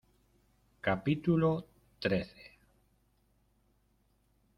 capítulo trece.